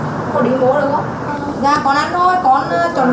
cô đính bố được không